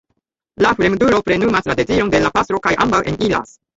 La fremdulo plenumas la deziron de la pastro kaj ambaŭ eniras.